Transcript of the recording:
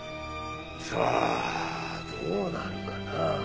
さあどうなるかな。